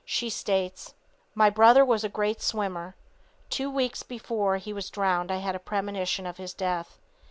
She states: "My brother was a great swimmer. Two weeks before he was drowned I had a premonition of his death.